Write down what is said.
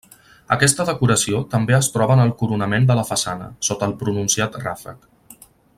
Aquesta decoració també es troba en el coronament de la façana, sota el pronunciat ràfec.